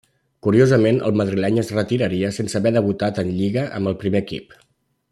Curiosament, el madrileny es retiraria sense haver debutat en Lliga amb el primer equip.